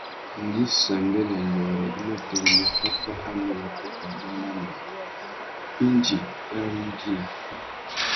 Ngüi Sambê na Nyôrê i mà tirimiya pápá a nù wapupamú na mê, indi i awengüina.